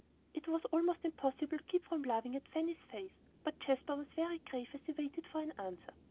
It was almost impossible to keep from laughing at Fanny's face, but Jasper was very grave as he waited for an answer.